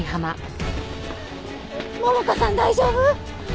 桃香さん大丈夫？